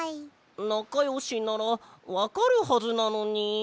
なかよしならわかるはずなのに。